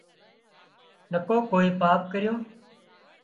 نڪو ڪوئي پاپ ڪرون